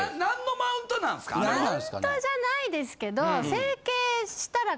マウントじゃないですけど。